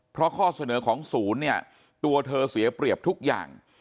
เพราะข้อเสนอของศูนย์เนี่ยตัวเธอเสียเปรียบทุกอย่าง